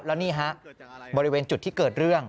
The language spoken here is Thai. แล้วนี่ฮะบริเวณจุดที่เกิดเรื่อง